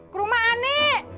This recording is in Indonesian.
ke rumah ani